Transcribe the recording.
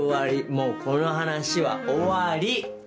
もうこの話は終わり！